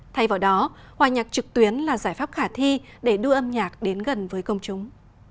thay vào đó hòa nhạc trực tuyến là giải pháp khả thi để đưa âm nhạc đến gần với công chúng